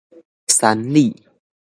山里